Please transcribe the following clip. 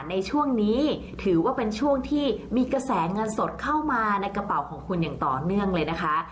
ในช่วงนี้ถือว่าเป็นช่วงที่มีกระแสเงินสดเข้ามาในกระเป๋าของคุณอย่างต่อเนื่องเลยนะคะ